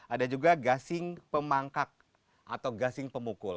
ada juga gasing pemangkak atau gasing pemukul